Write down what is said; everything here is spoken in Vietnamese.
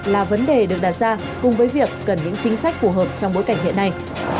là vấn đề được đặt ra cùng với việc cần những chính sách phù hợp trong bối cảnh hiện nay